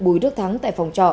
bùi đức thắng tại phòng trọ